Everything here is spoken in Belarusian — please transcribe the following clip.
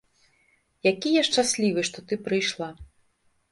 Які я шчаслівы, што ты прыйшла.